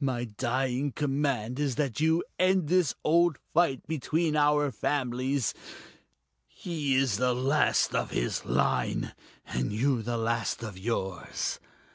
My dying command is that you end this old fight between our families: he is the last of his line, and you the last of yours.